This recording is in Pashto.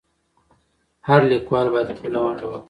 هر لیکوال باید خپله ونډه واخلي.